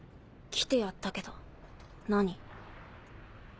来てやったけど何？